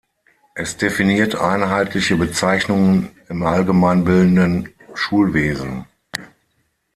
Es definiert einheitliche Bezeichnungen im allgemein bildenden Schulwesen.